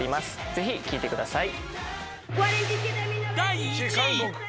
ぜひ聴いてください。